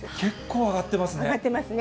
上がってますね。